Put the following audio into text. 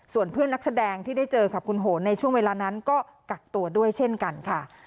ส่วนเพื่อนนักแสดงที่ได้เจอกับคุณโหนในช่วงเวลานั้นก็กักตัวด้วยเช่นกันค่ะ